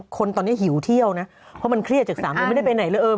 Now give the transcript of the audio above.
คนตอนนี้หิวเที่ยวนะเพราะมันเครียดจากสามีไม่ได้ไปไหนเลย